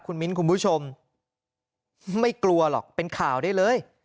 คุณมิ้นคุณผู้ชมไม่กลัวหรอกเป็นข่าวได้เลย